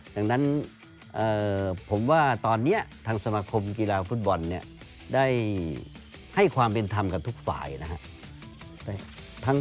ดังนั้นผมว่าตอนนี้ทางสมาคมกีฬาฟุตบอลเนี่ยได้ให้ความเป็นธรรมกับทุกฝ่ายนะครับ